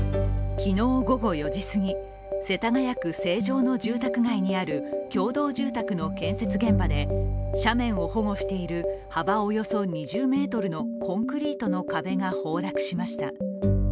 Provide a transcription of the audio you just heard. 昨日午後４時すぎ、世田谷区成城の住宅街にある共同住宅の建設現場で斜面を保護している幅およそ２０ｍのコンクリートの壁が崩落しました。